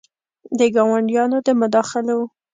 د ګاونډیانو د مداخلو